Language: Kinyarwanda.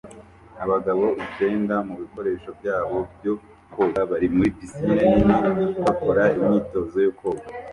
Abagabo icyenda mu bikoresho byabo byo koga bari muri pisine nini bakora imyitozo yo koga